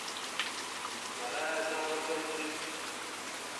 په ښکاره یې غږ وکړ چې